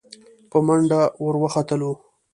په منډه ور وختلو.